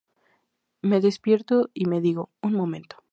Me despierto y me digo: "un momento".